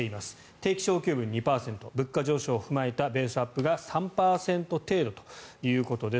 定期昇給分、２％物価上昇を踏まえたベースアップが３％程度ということです。